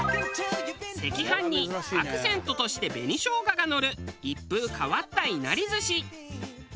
赤飯にアクセントとして紅生姜がのる一風変わった稲荷寿司。